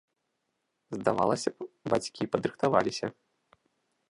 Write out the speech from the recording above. Здавалася б, бацькі падрыхтаваліся.